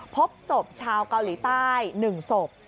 พบศพชาวเกาหลีใต้๑ศพ